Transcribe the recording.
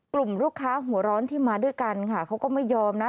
กลุ่มลูกค้าหัวร้อนที่มาด้วยกันค่ะเขาก็ไม่ยอมนะ